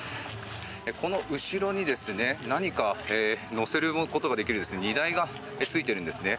この後ろに何か載せることができる荷台がついているんですね。